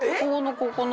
ここの。